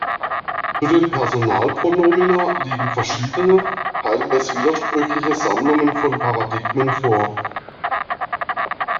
Zu den Personalpronomina liegen verschiedene, teilweise widersprüchliche Sammlungen von Paradigmen vor.